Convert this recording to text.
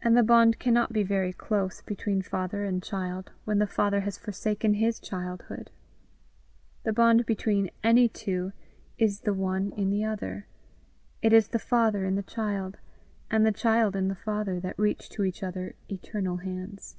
And the bond cannot be very close between father and child, when the father has forsaken his childhood. The bond between any two is the one in the other; it is the father in the child, and the child in the father, that reach to each other eternal hands.